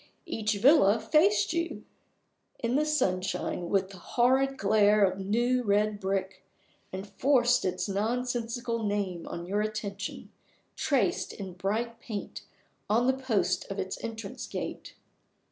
Each villa faced you in the sunshine with the horrid glare of new red brick, and forced its nonsensical name on your attention, traced in bright paint on the posts of its entrance gate.